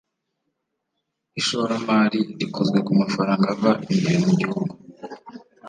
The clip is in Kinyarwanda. ishoramari rikozwe ku mafaranga ava imbere mu gihugu